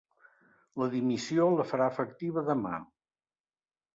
La dimissió la farà efectiva demà.